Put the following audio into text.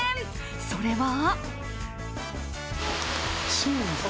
それは。